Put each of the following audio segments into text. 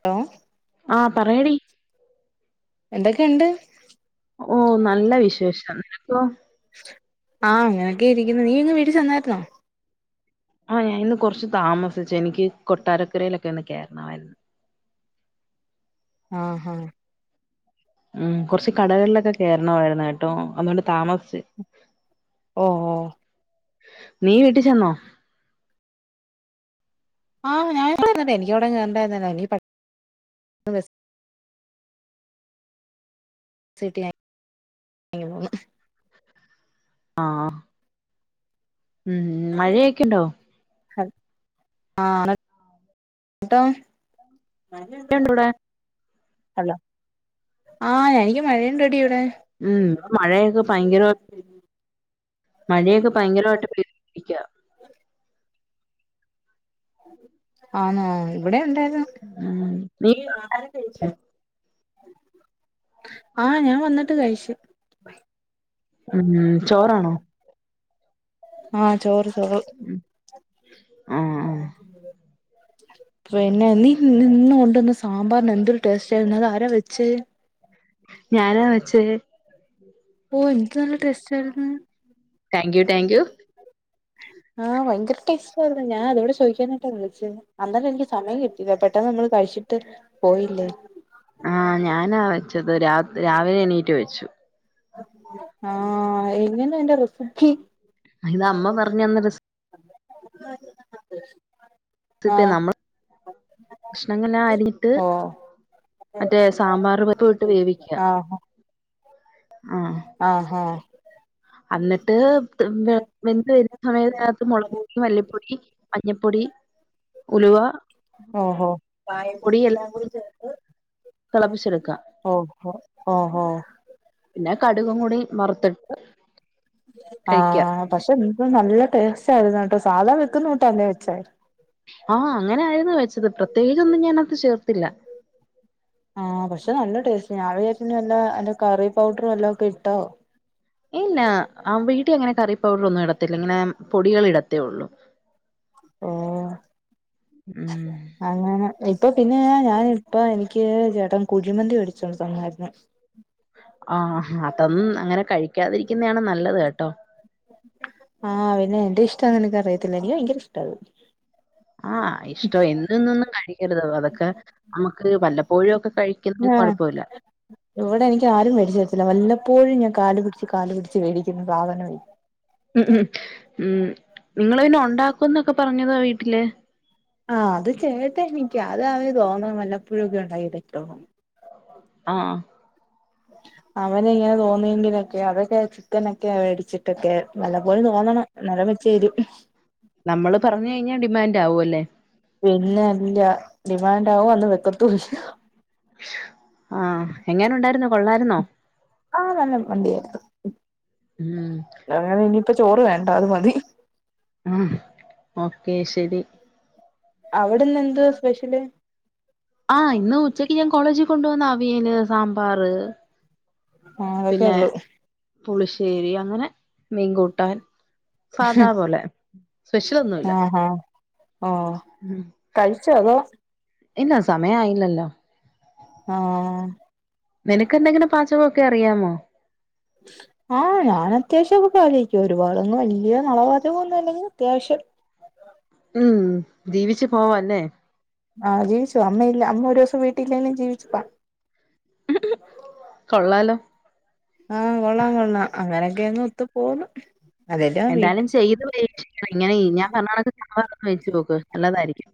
Hello.. ആഹ് പർഞ്ഞോളി എന്തൊക്കെയുണ്ട്, ഓ ഓഹ് നല്ല നല്ലത് വിശേഷം നിനക്കോ ആഹ് അങ്ങനൊക്കെ ഇരിക്കുന്നു. നീ ഇന്ന് വീട്ടി ചെന്നായിരുന്നോ ആഹ് ഞാഇന്ന് കൊർച്ച് താമസിച്ചു, എനിക്ക് കൊട്ടാരക്കരയിലൊക്കെ ഒന്ന് കേയറണവായിരുന്നു ആഹാ ഉം. കൊർച്ച് കടകളിലൊക്കെ കേയറണവായിരുന്നു, കേട്ടോ, അതുകൊണ്ട് താമസിച്ച് ഓ ഹോ നീ വീട്ടിച്ചെന്നോ ആഹ് ഞാനൻവിടെ തന്നി എനിക്കവിട കേറണ്ടരന്ന ഇ [inaudible] സിട്ടിയ അങ്ങനൊന്നു ആഹ് ഉം മഴയൊക്കെണ്ടോ ആഹ് ന്നിട്ടൊ മഴയുണ്ടോ അവിടെ [unintelligible] [inaudible] ഹലോ, ആ എനിക്ക് മഴ ഇണ്ടെടി ഇവിടെ ഉം മഴയൊക്കെ ഭയങ്കരമായി, മഴയൊക്കെ ഭയങ്കരമായിട്ട് പെ ഇക്ക ഉം നീ ആഹാരം കഴിച്ചോ.. ആഹ് ഞാൻ വന്നിട്ട് കഴിച്ച് ഉം ചോറാണോ ആഹ് ചോറ് ചോറ് ഉം ആഹ് പിന്നെ നീ നിന്ന് കൊണ്ടുവന്ന സാമ്പാറിന് എന്തൊരു ടേസ്റ്റായിരുന്നു. അതാരാ വെച്ചേ ഞാനാ വച്ചത് ഓഹ് എന്ത് നല്ല ടേസ്റ്റായിരുന്ന് ടാങ്ക് യു ടാങ്ക് യു ആഹ് ഭയങ്കര ടേസ്റ്റാരുന്നു, ഞാൻ അതോടെ ചോദിക്കാനായിട്ടാ വിളിച്ചത് അന്നേരം എനിക്ക് സമയം കിട്ടിയില്ല. പെട്ടെന്നമ്മള് കഴിച്ചിട്ട് പോയില്ലേ ആഹ് ഞാനാ വെച്ചത് രാ രാവിലെ എണീറ്റ് വെച്ചു ആഹ് എങ്ങനെ അതിൻ്റെ റസിപ്പി ഇത് അമ്മ പറഞ്ഞന്ന ആഹ് കഷണങ്ങെല്ലാം അരിഞ്ഞിട്ട് ഓഹ് മറ്റേ സാമ്പാറ്പരിപ്പ്‌വിട്ട് വേവിക്ക ആഹ് ആഹ് അഹ് അന്ന്ട്ട് വെന്ത് വരുന്ന സമയ അത് നകത്തു മുളക്പൊടി മല്ലിപ്പൊടി മഞ്ഞപ്പൊടി ഉലുവ ഓ [unintelligible] പൊടി യെല്ല അഹ് കൂടും ചേർത്ത് തിളപ്പിച്ചെടുക്കുക [unintelligible] ഓ ഓഹ് ഓഹ് പിന്നെ കടുകും കൂടി വറ്ത്തിട്ട് ആഹ് പക്ഷെ എന്ത് നല്ല ടേസ്റ്റ് ആയിരുന്നു കേട്ടോ സാധാ വെക്കുന്നൂട്ടല്ലേ വെച്ചേ ആഹ് അങ്ങനെ ആയിരുന്നു വെച്ചത് പ്രത്യേകിച്ചൊന്നും ഞാനത്ത് ചേർത്തില്ല ആഹ് പക്ഷെ നല്ല ടേസ്റ്റ് ഞാൻ വിചാരിച്ച് എനി വല്ല കറി പൗഡറും വല്ലോം ഒക്കെ ഇട്ടോ ഇല്ല ആ വീട്ടിൽ അങ്ങനെ കറി പൗഡർ ഒന്നും ഇടത്തില്ല ഇങ്ങനെ പൊടികൾ ഇടത്തേ ഒള്ളൂ ഓഹ് ഉം അങ്ങനെ ഇപ്പ പിന്നെ ഞാനിപ്പ എനിക്ക് ചേട്ടൻ കുഴിമന്തി മേടിച്ചൊണ്ട് തന്നായിര്ന്ന് [inaudible] ആ അതൊന്നും അങ്ങനെ കഴിക്കാതിരിക്കുന്നേയാണ് നല്ലത് കേട്ടോ ആഹ് പിന്നെ എന്റെ ഇഷ്ടം നിനക്ക് അറിയത്തില്ലേ എനിക്ക് ഭയങ്കര ഇഷ്ട്ടാത് ആഹ് ഇഷ്ടം എന്നെന്നൊന്നും കഴിക്കരുത് അതൊക്കെ നമുക്ക് വല്ലപ്പോഴും ഒക്കെ കഴിക്കുന്നേന് ആഹ് കൊഴപ്പവില്ല ഇവിടെ എനിക്ക് ആരും വേടിച്ചു തരത്തില്ല വല്ലപ്പോഴും ഞാൻ കാല് പിടിച്ച് കാല് പിടിച്ച് വേടിക്കുന്ന സാതനായിത് ഉം ഉം ഉം നിങ്ങൾ പിന്നെ ഉണ്ടാക്കുംന്നൊക്കെ പറഞ്ഞതോ വീട്ടില് ആഹ് അത് ചേട്ടനിക്ക്യാ അത് അവന് തോന്ന് വല്ലപ്പൊഴൊക്കെ ഉണ്ടായിട്ടെ [unintelligible] ആഹ് [inaudible] അവന് ഇങ്ങനെ തോന്നിയെങ്കിലൊക്കെ അതൊക്കെ ചിക്കനൊക്കെ വേടിച്ചിട്ടൊക്കെ വല്ലപോഴും തോന്നണം എന്നാലെ വെച്ചേരു നമ്മള് പറഞ്ഞു കഴിഞ്ഞാ ഡിമാൻഡ് ആവു അല്ലേ പിന്നെ അല്ല ഡിമാൻഡ് ആവും അന്ന് വെക്കത്തും ഇല്ല അഹ് [unintelligible] കൊള്ളായിരുന്നോ ആഹ് നല്ലം [unintelligible] എടുത്ത് ഉം അങ്ങനെ ഇനിപ്പ ചോറ് വേണ്ട അത് മതി ഉം ഓക്കേ ശെരി അവ്ടെന്നെന്ത് വാ സ്പെഷ്യല് ആഹ് ഇന്ന് ഉച്ചക്ക് ഞാൻ കോളേജിൽ കൊണ്ടുവന്ന അവിയല് സാമ്പാറ് ആഹ് അതൊക്കെ പിന്നെ ഉള്ളൂ പുളിശ്ശേരി അങ്ങനെ മീങ്കൂട്ടാൻ സാദാ പോലെ സ്പെഷലൊന്നുഇല്ല ആഹ് ആഹ് ഓഹ് ഉം കഴിച്ചോ അതോ ഇല്ല സമയായില്ലല്ലൊ ആഹ് നിനകെന്തെങ്കിലും പാചകൊക്കെ അറിയാമോ ആഹ് ഞാനത്യാവശ്യോക്കെ പാലൊഴിക്കും ഒരുപാടൊന്നും വല്യേ നളപാചകൊന്നും അല്ലെങ്കിലു അത്യാവശ്യം ഉം ജീവിച്ചു പോവാല്ലെ ആ ഹ് ജീവിച്ചു അമ്മ ഇല്ല അമ്മ ഒരൂസം വീട്ടിലില്ലേലും ജീവിച്ചുപ്പോവം കൊള്ളാലോ ആഹ് കൊള്ളാം കൊള്ളാം അങ്ങനെക്കങ്ങ് ഒത്തു പോവ്ന്നു എന്തായാലും ചെയ്ത് [inaudible] ഇങ്ങനൈ ഞാൻ പറഞ്ഞ [unintelligible] കഴിച്ചുനോക്ക് നല്ലതായിരിക്കും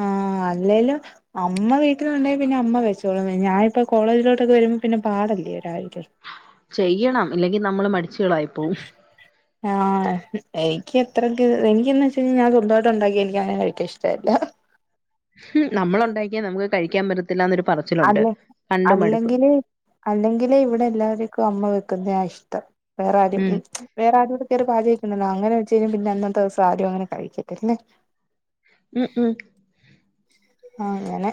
ആഹ് അല്ലേലും അമ്മ വീട്ടിലുണ്ടെങ്കി പിന്നെ അമ്മ വച്ചോളും ഞാനിപ്പോ കോളേജിലോട്ടൊക്കെ വരുമ്പൊ പിന്നെ പാടല്ലേ രാവിലെ ചെയ്യണം ഇല്ലെങ്കി നമ്മള് മടിചേളായിപ്പോവും [inaudible] ആഹ് എക്ക് എത്രക്ക് എനിക്കെന്നെച്ചഴിഞാ സ്വന്തായിട്ട് ണ്ടാക്കി എനിക്ക് അങ്ങനെ കഴിക്കാ ഇഷ്ടല്ല ഹും നമ്മളുണ്ടാക്കിയാ നമുക്ക് കഴിക്കാൻ പറ്റത്തില്ലാനൊരു പറച്ചിലുണ്ട് കണ്ടുമടുക്കും അല്ലെങ്കിലേ ഇവിടെ എല്ലാര്ക്കും അമ്മ വെക്കുന്നേ ഇഷ്ടം വേറാരും ഉം വേറാരോട് കയറി പാചോയ്ക്കുന്നില്ല അങ്ങനെചീലും പിന്നെ അന്നത്തെ ദിവസം ആരും അങ്ങനെ കഴിക്കത്തില്ല ഉം ഉം ആങ്ങനെ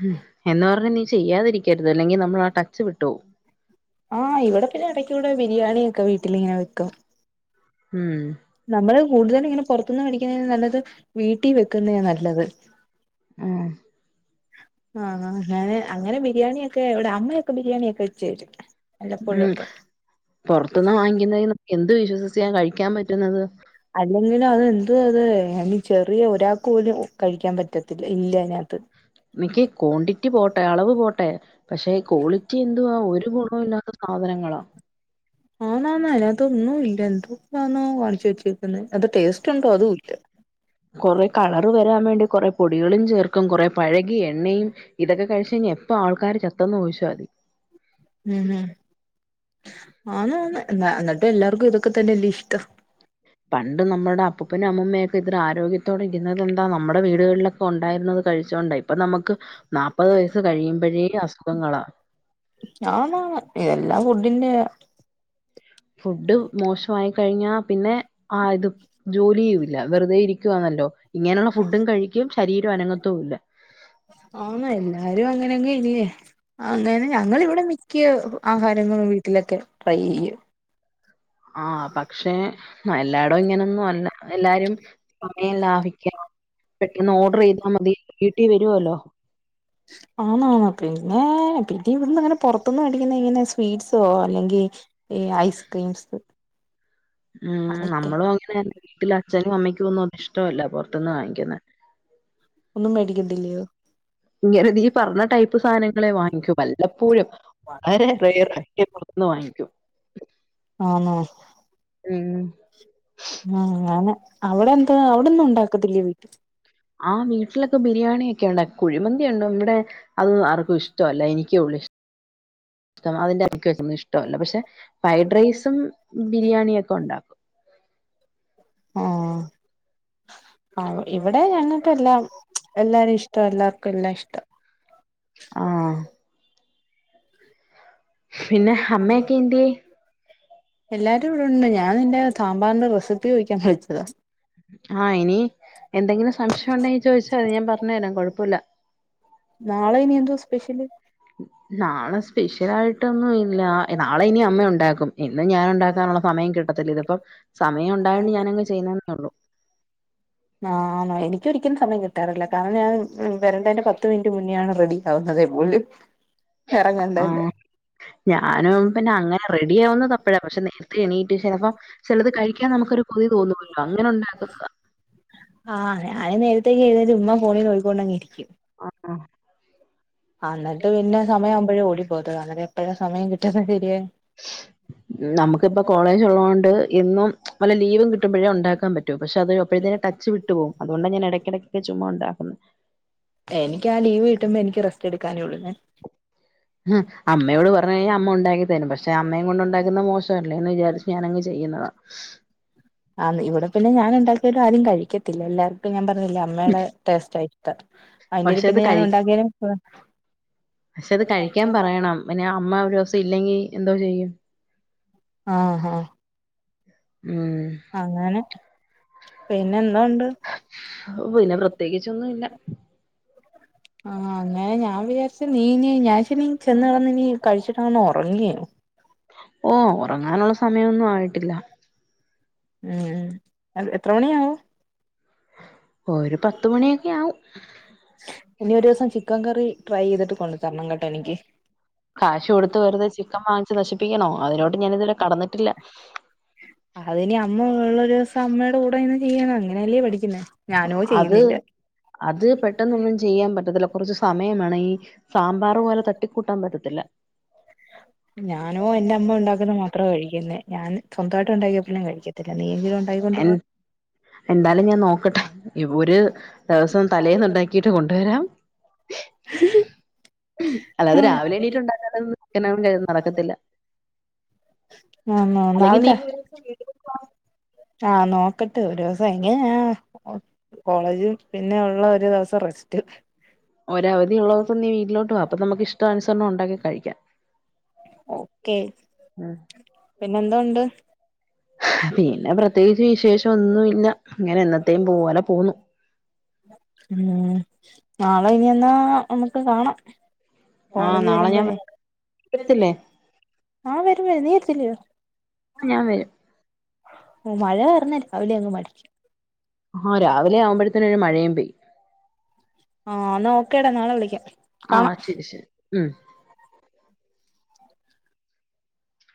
ഹും എന്ന് പറഞ്ഞ നീ ചെയ്യാതിരിക്കര്ത് അല്ലെങ്കിൽ നമ്മൾ ആ ടച്ച് വിട്ടോവും ആഹ് ഇവിടെപ്പ ഞാൻ ഇടയ്ക്കിവിടെ ബിരിയാണി ഒക്കെ വീട്ടിലിങ്ങനെ വെക്കും ഉം നമ്മള് കൂടുതലിങ്ങനെ പൊർത്ത്ന്ന് വേടിക്കിണേലും നല്ലത് വീട്ടിൽ വെക്കുന്നേ നല്ലത് ഉം ആഹ് ഞാന് അങ്ങനെ ബിരിയാണിയൊക്കെ ഇവടെ അമ്മയൊക്കെ ബിരിയാണിയൊക്കെ വെച്ചരും ഉം പൊർത്ത്ന്ന് വാങ്ങിക്കുന്നേനൊക്കെ എന്ത് വിശ്വസിച്ച കഴിക്കാൻ പറ്റുന്നത് അല്ലെങ്കിലും അതെന്തുവാത് ഇനി ചെറിയ ഒരാൾക്ക് പോലും കഴിക്കാൻ പറ്റത്തില്ല ഇല്ല ഐനകത്ത് നിക്ക് ക്വാണ്ടിറ്റി പോട്ടെ അളവ് പോട്ടെ പക്ഷെ ക്വാളിറ്റി എന്തുവാ ഒരു ഗുണോല്ലാത സാധനങ്ങളാ ആ നന്നെ ഐനാത്ത് ഒന്നുല്ല എന്തോനാനോ കാണിച്ചു വെച്ചേക്കുന്നെ അത് ടേസ്റ്റ്ണ്ടോ അതൂല്ല വെരാൻ വേണ്ടി കൊറേ പൊടികളും ചേർക്കും കൊറേ പഴകി എണ്ണയും ഇതൊക്കെ കഴിചൈഞ്ഞ എപ്പ ആൾക്കാര് ചത്തെന്ന് ചോയ്‌ച്ചാതി ഉം ആന്നന്ന് എന്താ എന്നിട്ട് എല്ലാർക്കും ഇതൊക്കെ തന്നെല്ലേ ഇഷ്ടം പണ്ട് നമ്മടെ അപ്പൂപ്പനും അമ്മൂമയൊക്കെ ഇത്തര ആരോഗ്യത്തോടെ ഇര്ന്നതെന്താ നമ്മടെ വീടുകൾലൊക്കെ ഒണ്ടായിരുന്നത് കഴിച്ചോണ്ട ഇപ്പ നമ്മക്ക് നാപ്പത് വയസ്സ് കഴിയുമ്പഴേഅസുഖങ്ങളാ ആണാണ് എല്ലാം ഫുഡിന്റെ ഫുഡ് മോശായി കഴിഞ്ഞാ പിന്നെ ആത് ജോലിയുല്ല വെറുതെ ഇരിക്കുവാണല്ലോ ഇങ്ങനെള്ള ഫുഡും കഴിക്കും ശരീരം അനംഗത്തുല്ല ആന്നെ എല്ലാരും അങ്ങനെങ്ങ് ഇല്ലേ അങ്ങനെ ഞങ്ങവിടെ മിക്ക ആഹാരങ്ങും വീട്ടിലൊക്കെ ട്രൈ ചെയ്യും ആഹ് പക്ഷെ ആഹ് എല്ലാരും ഇങ്ങനൊന്നും അല്ല എല്ലാരുംക്കെ ലാഭിക്ക പെട്ടന്ന് ഓർഡർ ചെയ്താ മതി വീട്ടി വരുല്ലോ ആണോ പിന്നെ പിന്ന ഇവ്ട്ന്നങ്ങനെ പുറത്തുന്ന് മേടിക്കുന്ന ഇങ്ങനെ സ്വീറ്റ്സോ അല്ലെങ്കി ഈ ഐസ്ക്രീംസ് ഉം അതൊക്കെ നമ്മളും അങ്ങനെന്നെ വീട്ടിൽ അച്ഛനും അമ്മയ്ക്കും ഒന്നും ഇഷ്ട്ടല്ല പൊ ർതന്ന് വാങ്ങിക്ക്ന്നെ ഒന്നും മേടിക്കത്തില്ലോ ഇങ്ങനെ നീ പറഞ്ഞ ടൈപ്പ് സാനങ്ങളെ വാങ്ങിക്കൂ വല്ലപ്പോഴും അരെ പേരുന് പുറത്ത് വാങ്ങിക്കും ആന്നോ ഉം ആഹ് ഞാൻ അവിടെ എന്താ അവിടെന്നും ഉണ്ടാക്കത്തില്ല വീട്ടിൽ ആഹ് വീട്ടിലൊക്കെ ബിരിയാണിയ ക്കെ ഇണ്ട കുഴിമന്തിയ ഉണ്ട് ഇവിടെ അതൊന്നും ആർക്കും ഇഷ്ട്ട്ല്ല എനിക്കേ ഉള്ളൂ ഇഷ് [unintelligible] അതി [unintelligible] ഇഷ്ടല്ല പക്ഷെ ഫ്രൈഡ് റൈസും ബിരിയാണിയ ഒക്കെ ഉണ്ടാക്കും ആഹ് ഇവിടെ ഞങ്ങക്കല്ലാ എല്ലാരിം ഇഷ്ട്ട എല്ലാ ല്ല ഇഷ്ട്ടം ആഹ് പിന്നെ അമ്മയെക്കെ എന്തെ എല്ലാരും ഇവിടെണ്ട് ഞാൻ നിന്റെ സാമ്പാറിന്റെ റെസിപ്പി ചോദിക്കാൻ വിളിച്ചതാ ആഹ് ഇനി എന്തെങ്കിലും സംശയം ഉണ്ടെങ്കിൽ ചോദിച്ചാതി ഞാൻ പറഞ്ഞ തരാം കുഴപ്പല്ല നാളെ ഇനി എന്തോ സ്പെഷ്യല് നാളെ സ്പെഷ്യൽ ആയിട്ടൊന്നും ഇല്ല നാളെ ഇനി അമ്മ ഉണ്ടാക്കും എന്നും ഞാൻ ഉണ്ടാക്കാനുള്ള സമയം കിട്ടത് [unintelligible] ഇപ്പം സമയം ഉണ്ടായന്ന് ഞാനങ് ചെയ്യുന്നത [unintelligible] ഉള്ളൂ ആഹ് എനിക്ക് ഒരിക്കും സമയം കിട്ടാറില്ല കാരണം ഞാൻ വരേണ്ടതിന്റെ പത്ത് മിനിറ്റ് മുന്നോണ് റെഡി ആവുന്നതേ പോലും ഇറങ്ങണ്ടേന്റെ ആഹ് ഞാനും പിന്നെ അങ്ങനെ റെഡിയാ വുന്നത് അപ്പഴാ പക്ഷെ നേരത്തെ എണീട്ട് ചിലപ്പോം ചിലത് കഴിക്കാൻ നമുക്കൊരു കൊതി തോന്നുല്ലോ അങ്ങനെ ഉണ്ടാക്കുന്നതാ ആഹ് ഞാൻ നേരത്തെ എഴുന്നട്ട് ഉമ്മ ഫോണിൽ നോക്കിക്കൊണ്ടങ്ങി ഇരിക്കും അ ആഹ് അന്നട്ട് പിന്നെ സമയാവുമ്പഴേ ഓടിപ്പോത് അങ്ങനെ എപ്പോഴാ സമയം കിട്ടുന്നത് ശരിയേ നമുക്കിപ്പ കോളേജ് ഉള്ളുണ്ട് ഇന്നും നല്ല ലീവും കിട്ടുമ്പോഴേ ഉണ്ടാക്കാൻ പറ്റു പക്ഷെ അത് അപ്പയെക്ക് ടച്ച് വിട്ട് പോവും അതൊണ്ട ഞാൻ ഇടക്കിടക്ക ചുമ്മാ ഉണ്ടാക്കുന്നത് എനിക്ക് ആ ലീവ് കിട്ടുമ്പോ എനിക്ക് റെസ്റ്റ് എടുക്കാനേ ഉള്ളൂ ഉം അമ്മയോട് പറഞ്ഞാ കഴിഞ്ഞാൽ അമ്മ ഉണ്ടാക്കി തരും പക്ഷെ അമ്മയെ കൊണ്ട് ഉണ്ടാക്കുന്ന മോശ അല്ലന്ന് വിചാരിച്ച് ഞാനങ്ങ് ചെയ്യുന്നതാ ആഹ് ഇവിടെ പിന്നെ ഞാൻ ഉണ്ടാക്കിയ ഒരു ആരും കഴിക്കത്തില്ല എല്ലാവർക്കും ഞാൻ പറഞ്ഞില്ലേ അമ്മടെ ടേസ്റ്റ് ആയി അയ്ന്റെ പക്ഷെ അത് പിന്നെ ഞാൻ കഴി ഉണ്ടാക്കിയാലും പക്ഷെ അത് കഴിക്കാൻ പറയണം [unintelligible] പിന്നെ അമ്മ ഒരു ദിസം ഇല്ലെങ്കി എന്തോ ചെയ്യും ആഹ് ആഹ് മ്മ് അങ്ങനെ പിന്നെ എന്നൊണ്ട് പിന്നെ പ്രത്യേകിച്ചൊന്നുംല്ല ആഹ് അങ്ങനെ ഞാൻ വിചാരിച്ച നീ ഞാൻ ഞ്ഞാശനി ചെന്ന്കളഞ് കഴിച്ചിട്ടാന്ന് ഉറങ്ങിയോ ഓ ഉറങ്ങാനുള്ള സമയമൊന്നും ആയിട്ടില്ല ഉം എത്ര മണിയാവും ഓരു പത്ത് മണിയൊക്കെ ആവും ഇനി ഒരു ദിവസം ചിക്കൻ കറി ട്രൈ ചെയ്തിട്ട് കൊണ്ട്ു തരണം കേട്ടോ എനിക്ക് കാശ് കൊടുത്ത് വെറുത ചിക്കൻ വങ്ങിച്ച് നശിപ്പിക്കണോ അതിനോട്ട് ഞാൻ ഇതുവരെ കടന്നിട്ടില്ല അത് ഇനി അമ്മ ഉള്ള ഒരു ദിവസം അമ്മയുടെ കൂടെ ഇന്ന് ചെയ്യണം അങ്ങനെയല്ലേ പഠിക്കുന്നേ ഞാനോ അത് ചെയ്യുന്നില്ല അത് പെട്ടെന്നൊന്നും ചെയ്യാൻ പറ്റത്തില്ല കുറച്ചു സമയമാണ് ഈ സാമ്പാർ പോലെ തട്ടിക്കൂട്ടാൻ പറ്റത്തില്ല ഞാനോ എൻന്റെ അമ്മ ഉണ്ടാക്കുന്ന മാത്രമോ കഴിക്കുന്നത് ഞാൻ സ്വന്തമായിട്ട് ഉണ്ടാക്കിയപ്പോലും കഴിക്കുന്നു അല്ല നീയെങ്കിലും ഉണ്ടാക്കി എൻ കൊണ്ടവാ എന്തായാലും ഞാൻ നോക്കട്ടെ ഇഈ ഒരു ദിവസം തലേൽന്നുണ്ടാക്കി ട്ട് കൊണ്ടുവരാം അല്ലാതെ രാവിലെ എണീട്ടുണ്ടാക്ക എനും ക നടക്കത്തില്ല ഉ അല്ലെങ്കി നീ നല്തെ [unintelligible] ആഹ് നോക്കട്ടെ ഒരു ദിവസ എങ്ങനാ കോളേജും പിന്നെ ഉള്ള ഒരു ദിവസം റെസ്റ്റ് ഒരവധിയ ഉുള്ളവർൊന്നീ വീട്ടിലോട്ട്വാ അപ്പ നമുക്ക് ഇഷ്ടനുസരണം ഉണ്ടാക്കി കഴിക്കൻ ഓക്കെ ഉം പിന്നെന്തണ്ട് പിന്നെ പ്രത്യേകിച്ച് വിശേഷം ഒന്നുമല്ല ഇങ്ങനെ എന്നത്തേും പോലെ പോന്നു ഉം നാളെ ഇനിെന്നാ നമുക്ക് കാണാം ആഹ് കോളേജ് നാളെ ഞാൻ വരുമ്പോഴേ വരത്തില്ലേ ആഹ വരുമ്പോഴ നീ എത്തില്ലയോ ഞാൻ വരും ഓ മഴയറഞ്ഞ രാവിലെ അങ് മടിക്കും ആഹ രാവിലെ ആവുമ്പോഴത്തേന ഒരു മഴയും പെയും ആഹ്ന്നാ ഓക്കേടാ നാളെ വിളിക്കാം ആ കാണാം ശരി ശരി ഉം